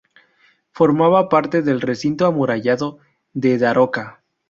Formaba parte del recinto amurallado de Daroca.